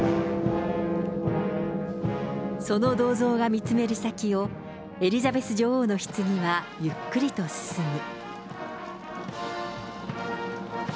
その銅像が見つめる先を、エリザベス女王のひつぎはゆっくりと進む。